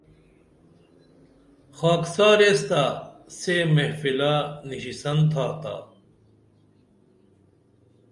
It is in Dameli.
خاکسار ایس تہ سے محفلہ نِشیسن تھاتا